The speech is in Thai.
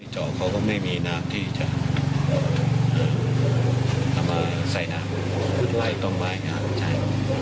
จ๋อเขาก็ไม่มีน้ำที่จะเอามาใส่น้ำไม่ต้องไว้งานใช่